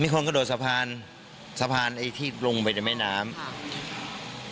คนกระโดดสะพานสะพานไอ้ที่ลงไปในแม่น้ำอ่า